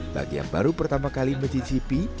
bagi yang baru pertama kali mencicipi